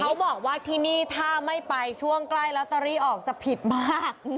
เขาบอกว่าที่นี่ถ้าไม่ไปช่วงใกล้ลอตเตอรี่ออกจะผิดมาก